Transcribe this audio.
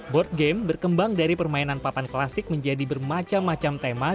board game berkembang dari permainan papan klasik menjadi bermacam macam tema